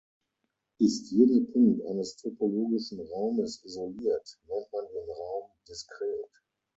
Ist jeder Punkt eines topologischen Raumes isoliert, nennt man den Raum "diskret".